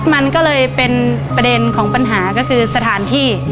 มันก็เลยเป็นประเด็นของปัญหาก็คือสถานที่